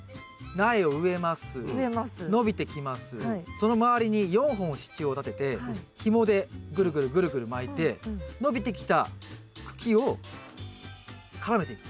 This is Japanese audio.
その周りに４本支柱を立ててひもでぐるぐるぐるぐる巻いて伸びてきた茎を絡めていく。